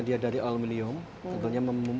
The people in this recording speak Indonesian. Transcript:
dia dari aluminium tentunya